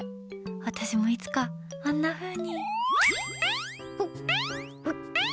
私もいつか、あんなふうに。